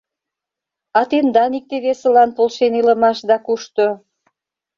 — А тендан икте-весылан полшен илымашда кушто?